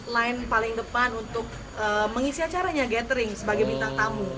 line paling depan untuk mengisi acaranya gathering sebagai bintang tamu